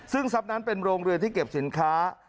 ซึ่งทรัพย์นั้นเป็นโรงเรือนที่เก็บสินค้า